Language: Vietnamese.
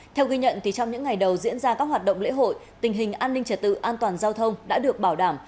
theo ghi nhận trong những ngày đầu diễn ra các hoạt động lễ hội tình hình an ninh trật tự an toàn giao thông đã được bảo đảm